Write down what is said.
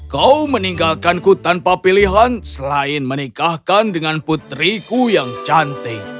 kau meninggalkanku tanpa pilihan selain menikahkan dengan putriku yang cantik